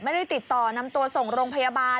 ไม่ได้ติดต่อนำตัวส่งโรงพยาบาล